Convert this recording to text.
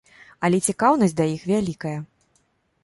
Але цікаўнасць да іх вялікая.